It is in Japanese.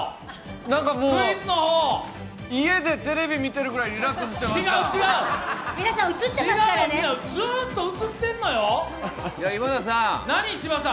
なんかもう、家でテレビ見てるくらいリラックスしてました。